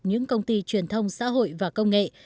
những công ty truyền thông xã hội và công nghệ